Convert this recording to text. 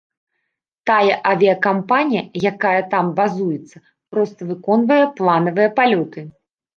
Тая авіякампанія, якая там базуецца, проста выконвае планавыя палёты.